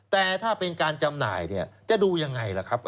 แต่ถ้าเป็นการจำหน่ายจะดูอย่างไรล่ะครับ